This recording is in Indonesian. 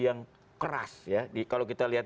yang keras ya kalau kita lihat